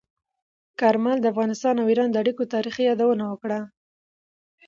کارمل د افغانستان او ایران د اړیکو تاریخي یادونه وکړه.